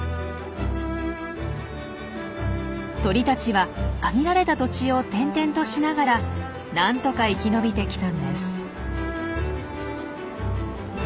鳥たちは限られた土地を転々としながら何とか生き延びてきたんです。